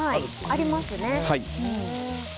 ありますね。